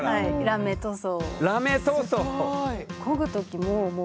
ラメ塗装。